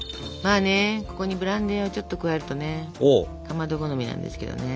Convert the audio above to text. ここにブランデーをちょっと加えるとねかまど好みなんですけどね。